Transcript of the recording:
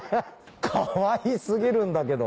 かわい過ぎるんだけど。